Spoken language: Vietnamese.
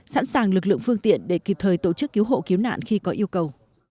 sẵn sàng lực lượng phương tiện để kịp thời tổ chức cứu hộ cứu nạn khi có yêu cầu